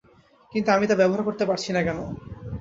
কিন্তু আমি তা ব্যবহার করতে পারছি না কেন?